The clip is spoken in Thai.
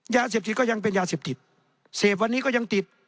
ยาเสพติดก็ยังเป็นยาเสพติดเสพวันนี้ก็ยังติด